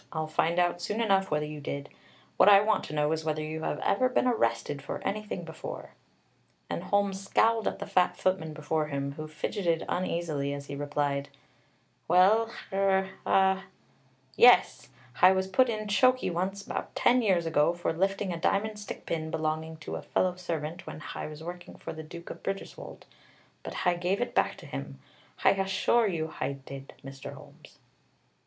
I'll find out soon enough whether you did. What I want to know is whether you have ever been arrested for anything before." And Holmes scowled at the fat footman before him, who fidgeted uneasily as he replied: "Well, er, ah, yes; Hi was put in chokey once about ten years ago for lifting a diamond stick pin belonging to a fellow servant when Hi was working for the Duke of Bridgerswold; but Hi gave it back to him, Hi hassure you Hi did, Mr. 'Olmes."